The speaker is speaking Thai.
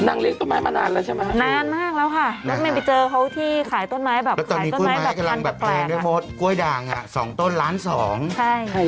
นังเลี้ยงต้นไม้มานานแล้วปะนานมากแล้วค่ะแล้วไม่จุดเขาที่ขายต้นไม้